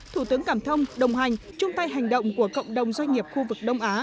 thủ tướng cảm thông đồng hành chung tay hành động của cộng đồng doanh nghiệp khu vực đông á